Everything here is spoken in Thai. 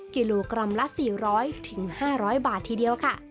กิโลกรัมละ๔๐๐๕๐๐บาททีเดียวค่ะ